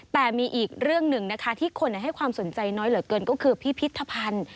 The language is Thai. แต่มีอีกเรื่องหนึ่งนะคะที่คนให้ความสนใจน้อยเหลือเกินก็คือพิพิธภัณฑ์